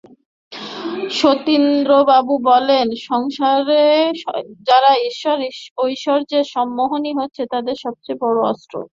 সন্দীপবাবু বলেন, সংসারে যারা ঈশ্বর ঐশ্বর্যের সম্মোহনই হচ্ছে তাদের সব চেয়ে বড়ো অস্ত্র।